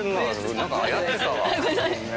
何かやってたわ。